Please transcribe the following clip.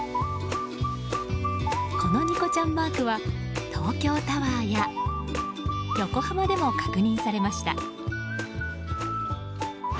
このニコちゃんマークは東京タワーや横浜でも確認されました。